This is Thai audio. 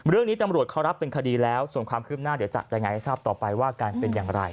เรื่องนี้ตำรวจเขารับเป็นคดีแล้วส่วนความคืบหน้าเดี๋ยวจะรายงานให้ทราบต่อไปว่าการเป็นอย่างไร